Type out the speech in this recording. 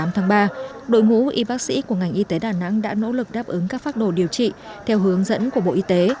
thành phố đà nẵng đã nỗ lực đáp ứng các pháp đồ điều trị theo hướng dẫn của bộ y tế